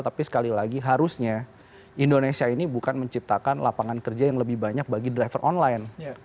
tapi sekali lagi harusnya indonesia ini bukan menciptakan lapangan kerja yang lebih banyak bagi driver online